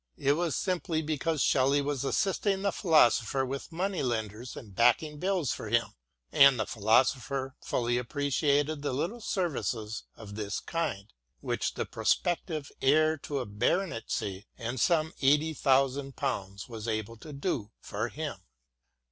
It was simply because Shelley was assisting the philosopher with moneylenders and backing bills for him, and the philosopher fully appreciated the little services of this kind which the prospective heir to a baronetcy and some eighty thousand pounds was able to do for him.